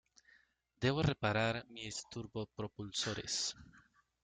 Debo reparar mis turbopropulsores.